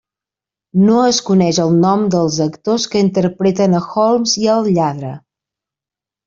No es coneix el nom dels actors que interpreten a Holmes i al lladre.